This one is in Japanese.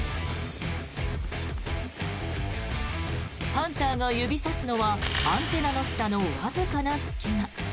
ハンターが指さすのはアンテナの下のわずかな隙間。